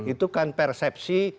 itu kan persepsi